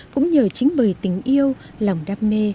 cũng nhờ chính bởi tình yêu lòng đam mê